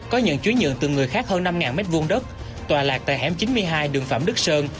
có nhận chuyến nhận từ người khác hơn năm m hai đất tòa lạc tại hẻm chín mươi hai đường phạm đức sơn